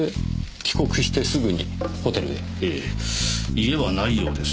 家はないようです。